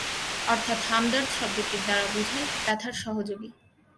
অর্থাৎ হামদর্দ শব্দটির দ্বারা বুঝায় ব্যথার সহযোগী।